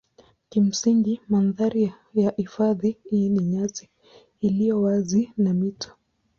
Kimsingi mandhari ya hifadhi hii ni nyasi iliyo wazi na mito.